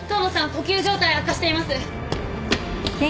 呼吸状態悪化しています！